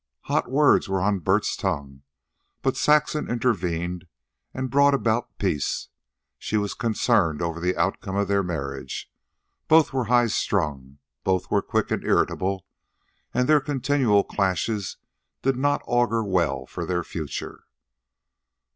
Hot words were on Bert's tongue, but Saxon intervened and brought about peace. She was concerned over the outcome of their marriage. Both were highstrung, both were quick and irritable, and their continual clashes did not augur well for their future.